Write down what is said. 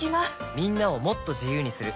みんなをもっと自由にする「三菱冷蔵庫」